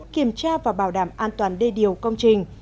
kiểm tra và bảo đảm an toàn đê điều công trình